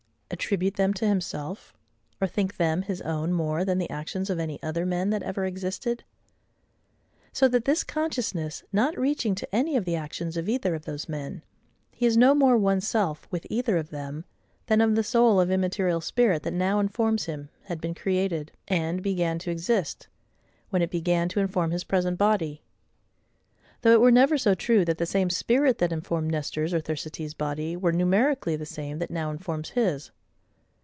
attribute them to himself, or think them his own more than the actions of any other men that ever existed? So that this consciousness, not reaching to any of the actions of either of those men, he is no more one SELF with either of them than of the soul of immaterial spirit that now informs him had been created, and began to exist, when it began to inform his present body; though it were never so true, that the same SPIRIT that informed Nestor's or Thersites' body were numerically the same that now informs his.